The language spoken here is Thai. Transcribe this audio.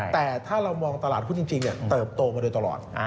แต่ถ้าเรามองตลาดหุ้นจริงเติบโตมาโดยตลอด